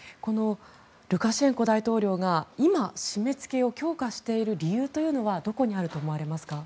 ルカシェンコ大統領が今、締めつけを強化している理由というのはどこにあると思われますか？